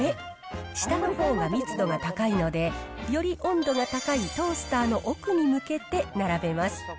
下のほうが密度が高いので、より温度が高いトースターの奥に向けて並べます。